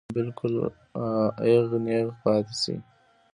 او بالکل اېغ نېغ پاتې شي -